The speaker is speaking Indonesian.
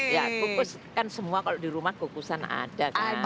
ya kukus kan semua kalau di rumah kukusan ada kan